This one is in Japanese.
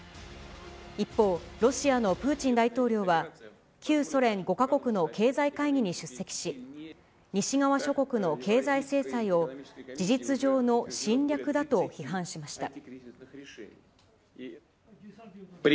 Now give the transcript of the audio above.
一方、ロシアのプーチン大統領は、旧ソ連５か国の経済会議に出席し、西側諸国の経済制裁を事実上の侵略だと批判しました。